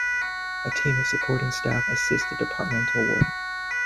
A team of supporting staff assist the departmental work.